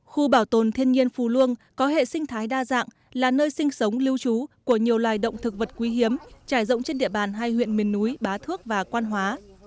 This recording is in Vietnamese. khu bảo tồn thiên nhiên phù luông có hệ sinh thái đa dạng là nơi sinh sống lưu trú của nhiều loài động thực vật quý hiếm trải rộng trên địa bàn hai huyện miền núi bá thước và quan hóa